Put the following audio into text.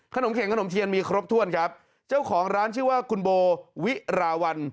ขนมเข็งขนมเทียนมีครบถ้วนครับเจ้าของร้านชื่อว่าคุณโบวิราวัล